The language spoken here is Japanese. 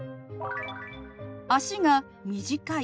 「足が短い」。